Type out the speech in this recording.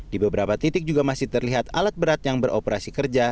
di beberapa titik juga masih terlihat alat berat yang beroperasi kerja